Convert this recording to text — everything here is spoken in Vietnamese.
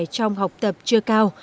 trong học tập chưa cao